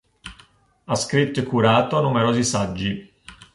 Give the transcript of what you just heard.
Ha scritto e curato numerosi saggi.